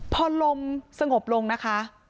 พอลมสงบลงนะคะ